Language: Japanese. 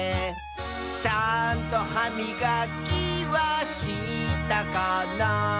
「ちゃんとはみがきはしたかな」